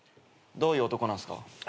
どういう男なんすか？